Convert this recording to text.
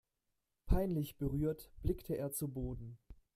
Peinlich berührt blickte er zu Boden.